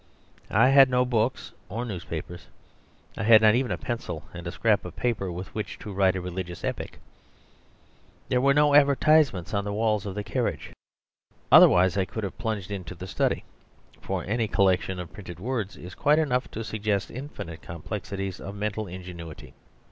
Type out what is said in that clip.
I had no books or newspapers. I had not even a pencil and a scrap of paper with which to write a religious epic. There were no advertisements on the walls of the carriage, otherwise I could have plunged into the study, for any collection of printed words is quite enough to suggest infinite complexities of mental ingenuity.